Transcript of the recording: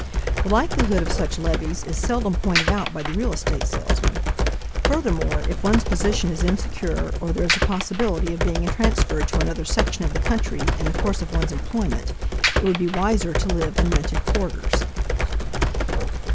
The likelihood of such levies is seldom pointed out by the real estate salesman. Furthermore, if one's position is insecure or there is a possibility of being transferred to another section of the country in the course of one's employment, it would be wiser to live in rented quarters.